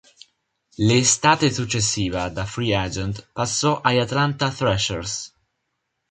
L'estate successiva da free agent passò agli Atlanta Thrashers.